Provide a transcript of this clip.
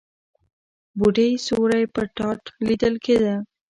بوډۍ سيوری پر تاټ ليدل کېده.